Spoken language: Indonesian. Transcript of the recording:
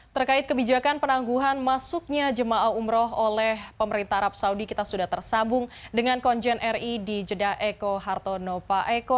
terkait kebijakan penangguhan masuknya jemaah umroh oleh pemerintah arab saudi kita sudah tersambung dengan konjen ri di jeddah eko hartono pak eko